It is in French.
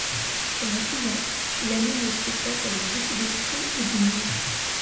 Pendant six ans, il anime le spectacle avec beaucoup d'esprit et d'humour.